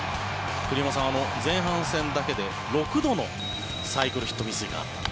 栗山さん、前半戦だけで６度のサイクルヒット未遂があったと。